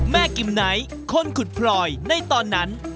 กิมไนท์คนขุดพลอยในตอนนั้น